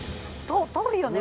遠いよね。